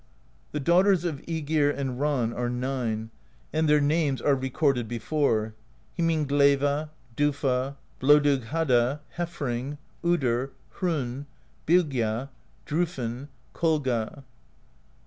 The daughters of iEgir and Ran are nine, and their names are recorded before: Himinglaeva,^ Diifa," Blodughadda,^ Hefring,^ Udr,^ Hr6nn,' Bylgja,' Dr6fn,' Kolga.